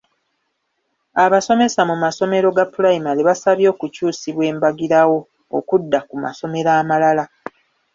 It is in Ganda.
Abasomesa mu masomero ga pulayimale basabye okukyusibwa embagirawo okudda ku masomero amalala.